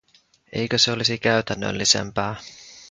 Eikö se olisi käytännöllisempää?